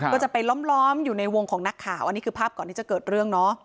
ก็จะไปล้อมอยู่ในวงของนักข่าวอันนี้คือภาพก่อนที่จะเกิดเรื่องเนาะ